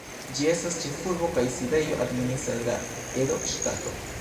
Ĝi estas ĉefurbo kaj sidejo administra de la Edo Ŝtato.